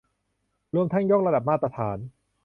รวมทั้งยกระดับมาตรฐาน